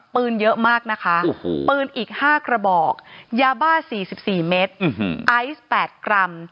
ปืนเยอะมากนะคะปืนอีก๕กระบอกยาบ้า๔๔เมตรไอซ์๘กรัม